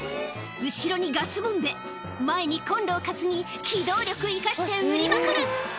後ろにガスボンベ前にコンロを担ぎ機動力生かして売りまくる！